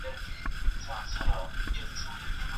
اولسونه به مي کله را روان پر یوه لار کې